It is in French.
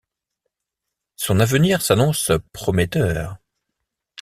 Son avenir s'annonce prometteur.